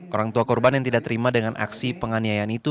orang tua korban yang tidak terima dengan aksi penganiayaan itu